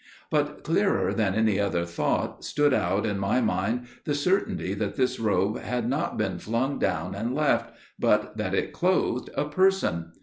But, clearer than any other thought, stood out in my mind the certainty that this robe had not been flung down and left, but that it clothed a Person.